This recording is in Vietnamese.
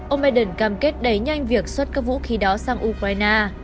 ông biden cam kết đẩy nhanh việc xuất các vũ khí đó sang ukraine